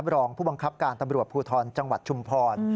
รองผู้บังคับการตำรวจภูทรจังหวัดชุมพร